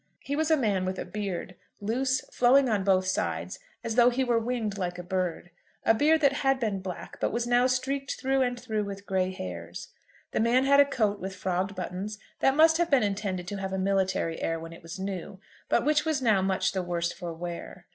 He was a man with a beard, loose, flowing on both sides, as though he were winged like a bird, a beard that had been black, but was now streaked through and through with grey hairs. The man had a coat with frogged buttons that must have been intended to have a military air when it was new, but which was now much the worse for wear.